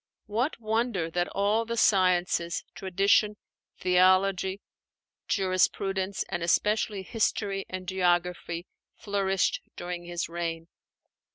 What wonder that all the sciences Tradition, Theology, Jurisprudence, and especially History and Geography flourished during his reign.